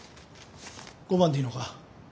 ５万でいいのか？